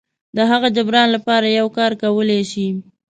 د هغه جبران لپاره یو کار کولی شي.